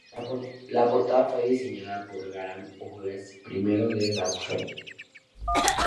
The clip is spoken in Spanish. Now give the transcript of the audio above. La portada fue diseñada por Graham Hughes, primo de Daltrey.